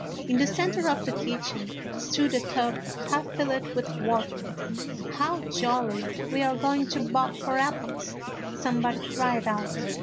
In the centre of the kitchen stood a tub half filled with water. " How jolly, we are going to bob for apples 1 " somebody cried out.